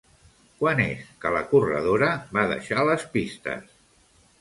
Quan és que la corredora va deixar les pistes?